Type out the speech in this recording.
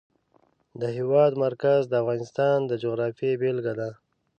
د هېواد مرکز د افغانستان د جغرافیې بېلګه ده.